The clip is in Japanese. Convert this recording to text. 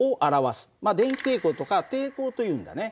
電気抵抗とか抵抗というんだね。